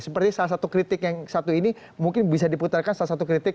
seperti salah satu kritik yang satu ini mungkin bisa diputarkan salah satu kritik